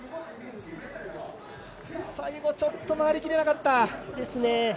最後、ちょっと回りきれなかった。